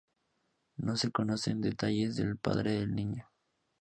No se conocen detalles del padre del niño.